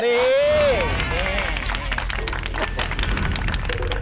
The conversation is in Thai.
นี่